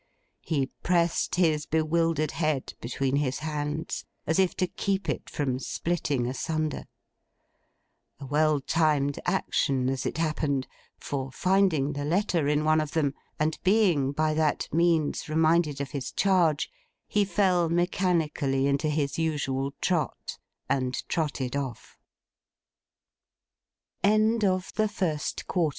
He pressed his bewildered head between his hands, as if to keep it from splitting asunder. A well timed action, as it happened; for finding the letter in one of them, and being by that means reminded of his charge, he fell, mechanically, into his usual tr